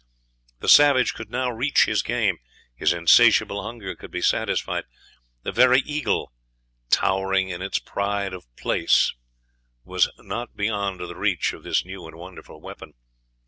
The savage could now reach his game his insatiable hunger could be satisfied; the very eagle, "towering in its pride of place," was not beyond the reach of this new and wonderful weapon.